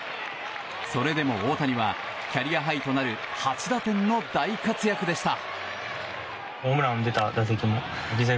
それでも大谷はキャリアハイとなる８打点の大活躍でした。